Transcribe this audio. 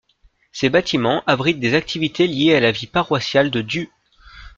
Ces bâtiments abritent des activités liées à la vie paroissiale de Diu.